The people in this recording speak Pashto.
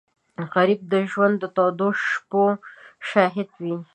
غریب د ژوند د تودو شپو شاهد وي